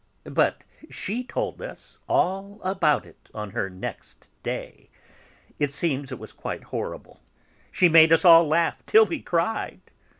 But she told us all about it on her next 'day'; it seems it was quite horrible, she made us all laugh till we cried.